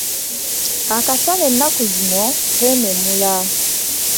akasana ennaku zino keememula!